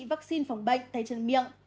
vắc xin phòng bệnh tay chân miệng